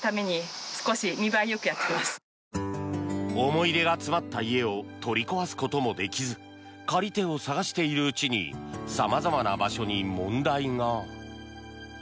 思い出が詰まった家を取り壊すこともできず借り手を探しているうちに様々な場所に問題が。